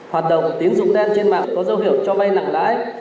hoạt động tín dụng đen trên mạng có dấu hiệu cho vay nặng lãi